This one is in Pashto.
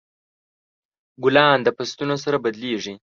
ګلان د فصلونو سره بدلیږي.